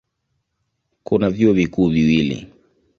Kuna vyuo vikuu viwili.